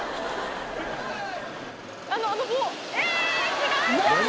違うじゃん！